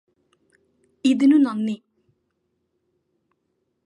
ഇതിനു നന്ദി